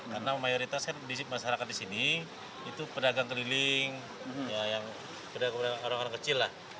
karena mayoritas kan di masyarakat di sini itu pedagang keliling orang orang kecil lah